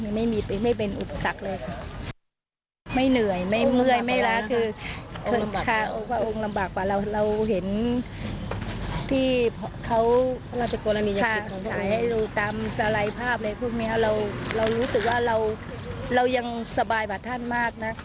เรายังสบายผสานมากนะ